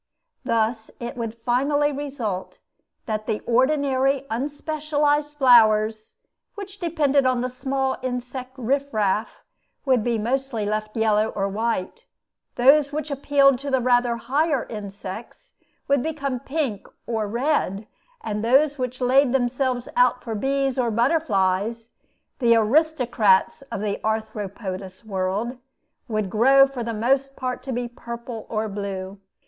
Thus it would finally result that the ordinary unspecialized flowers, which depended upon small insect riff raff, would be mostly left yellow or white; those which appealed to rather higher insects would become pink or red; and those which laid themselves out for bees or butterflies, the aristocrats of the arthropodous world, would grow for the most part to be purple or blue.